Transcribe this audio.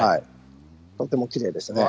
とてもきれいですね。